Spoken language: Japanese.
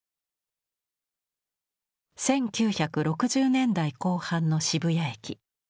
１９６０年代後半の渋谷駅。